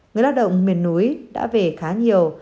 người lao động miền núi đã về khá nhiều